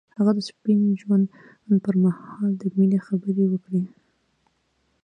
هغه د سپین ژوند پر مهال د مینې خبرې وکړې.